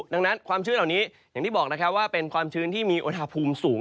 ดังนั้นความชื้นเหล่านี้อย่างที่บอกนะครับว่าเป็นความชื้นที่มีอุณหภูมิสูง